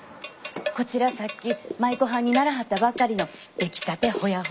こちらさっき舞妓はんにならはったばっかりの出来たてほやほやの。